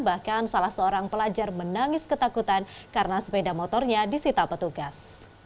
bahkan salah seorang pelajar menangis ketakutan karena sepeda motornya disita petugas